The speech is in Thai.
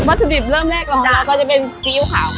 มาตรดิบเริ่มแรกรองลองเราก็จะเป็นกระไดบฟี้วขาว